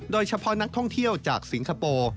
โดยเฉพาะนักท่องเที่ยวจากสิงคโปร์